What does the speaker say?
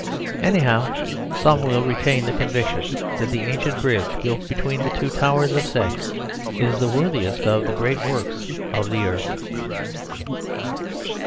Anyhow, some will retain the conviction that the ancient bridge built between the two towers of sex is the worthiest of the great works of the earth.